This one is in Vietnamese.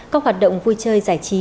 các hoạt động vui chơi giải trí